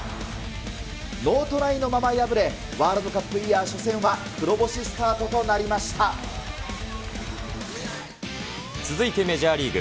ノートライのまま敗れ、ワールドカップイヤー初戦は黒星スタート続いてメジャーリーグ。